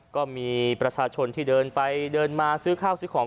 ก็มีประชาชนที่เดินไปเดินมาซื้อข้าวซื้อของ